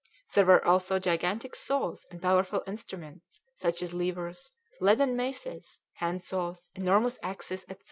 There were also gigantic saws and powerful instruments, such as levers, leaden maces, handsaws, enormous axes, etc.